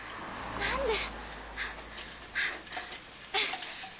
何で？